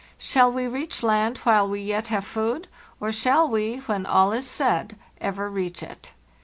Shall we reach land while we yet have food, or shall we, when all is said, ever reach it?